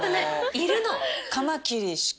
いるの。